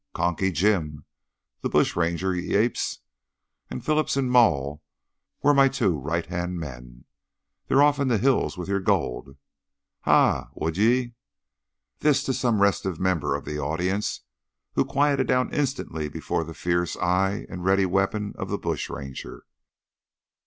Conky Jim, the bushranger, ye apes. And Phillips and Maule were my two right hand men. They're off into the hills with your gold Ha! would ye?" This to some restive member of the audience, who quieted down instantly before the fierce eye and the ready weapon of the bushranger.